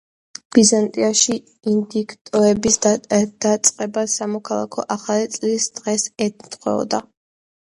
ბიზანტიაში ინდიქტიონის დაწყება სამოქალაქო ახალი წლის დღეს ემთხვეოდა.